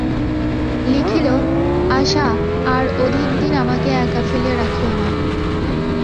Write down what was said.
লিখিল, আশা, আর অধিক দিন আমাকে একা ফেলিয়া রাখিয়ো না।